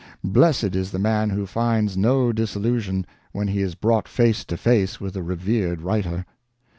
Blessed is the man who finds no disillusion when he is brought face to face with a revered writer.